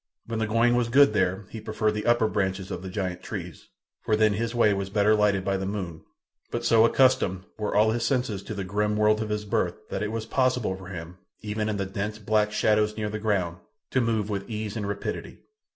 When the going was good there he preferred the upper branches of the giant trees, for then his way was better lighted by the moon; but so accustomed were all his senses to the grim world of his birth that it was possible for him, even in the dense, black shadows near the ground, to move with ease and rapidity.